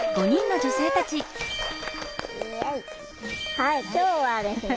はい今日はですね